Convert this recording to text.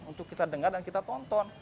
untuk kita dengar dan kita tonton